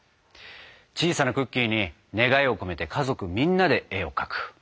小さなクッキーに願いを込めて家族みんなで絵を描く。